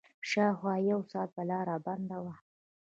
شاوخوا يو ساعت به لاره بنده وه.